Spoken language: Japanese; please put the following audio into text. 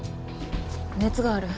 熱がある。